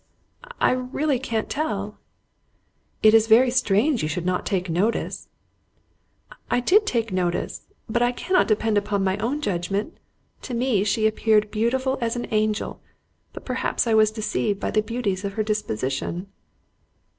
"I really can't tell." "It is very strange you should not take notice!" "I did take notice, but I cannot depend upon my own judgment—to me she appeared beautiful as an angel; but perhaps I was deceived by the beauties of her disposition."